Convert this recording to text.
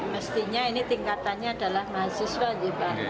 mestinya ini tingkatannya adalah mahasiswa aja bang